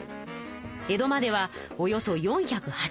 江戸まではおよそ４８０ｋｍ。